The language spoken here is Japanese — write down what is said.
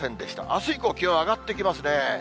あす以降、気温上がってきますね。